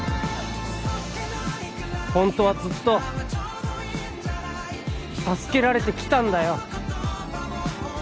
ホントはずっと助けられてきたんだよ